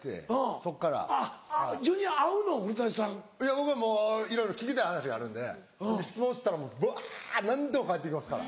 僕はもういろいろ聞きたい話があるんで質問してたらブワ何でも返って来ますから。